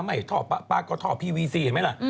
ไม่ท่อป๊าก็ท่อพีวีสิเห็นไหมล่ะ